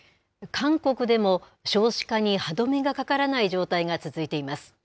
韓国でも、少子化に歯止めがかからない状態が続いています。